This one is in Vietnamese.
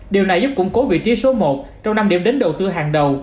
điều này giúp củng cố vị trí số một trong năm điểm đến đầu tư hàng đầu